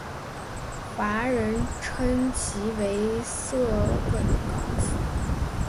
华人称其为色梗港府。